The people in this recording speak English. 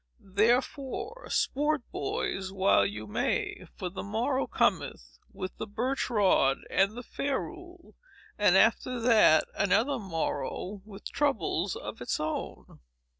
Therefore, sport, boys, while you may; for the morrow cometh, with the birch rod and the ferule; and after that, another Morrow, with troubles of its own.